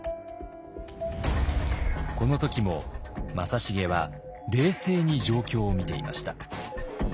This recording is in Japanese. この時も正成は冷静に状況を見ていました。